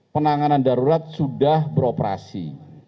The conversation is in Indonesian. penanganan darurat sudah beroperasi